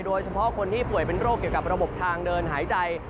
โดยเฉพาะคนที่ป่วยเป็นโรคเกี่ยวกับระบบทางเดินหายใจ